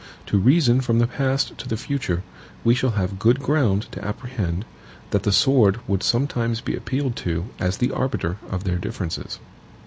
To reason from the past to the future, we shall have good ground to apprehend, that the sword would sometimes be appealed to as the arbiter of their differences.